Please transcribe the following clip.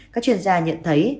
các chuyên gia nhận thấy